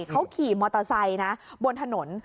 เขาขี่มอเตอร์ไซค์นะบนถนน